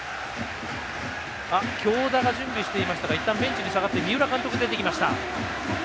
京田が準備していましたがいったん、ベンチに下がって三浦監督が出てきました。